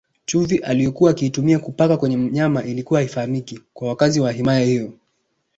Chumvi aliyokuwa akiitumia kupaka kwenye nyama ilikuwa haifahamiki kwa wakazi wa himaya hiyo